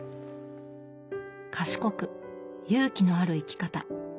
賢く勇気のある生き方。